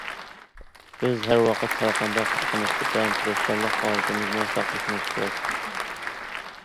بىز ھەر ۋاقىت ھەر قانداق ئىشقا نىسبەتەن تىرىشچانلىق ھالىتىمىزنى ساقلىشىمىز كېرەك.